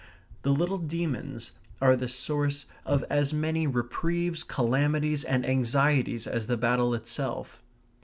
The little demons are the source of as many reprieves, calamities, and anxieties as the battle itself.